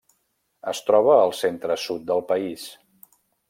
Es troba al centre-sud del país.